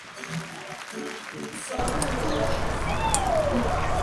Juega de defensa en el Fútbol Club Jumilla.